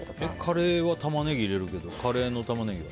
カレーはタマネギを入れるけどカレーのタマネギは？